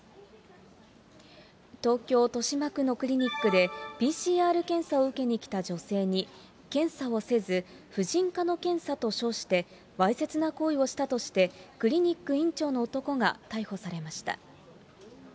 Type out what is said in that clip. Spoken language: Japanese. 東京・豊島区のクリニックで、ＰＣＲ検査を受けに来た女性に検査をせず、婦人科の検査と称して、わいせつな行為をしたとして、クリニック院長の男が逮捕されました。